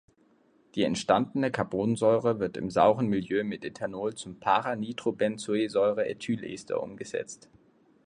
Die entstandene Carbonsäure wird im sauren Milieu mit Ethanol zum para-Nitrobenzoesäureethylester umgesetzt.